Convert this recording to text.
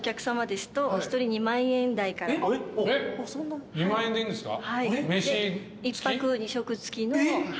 えっ２万円でいいんですか？